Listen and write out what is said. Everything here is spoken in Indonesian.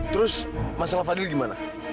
terus masalah fadil gimana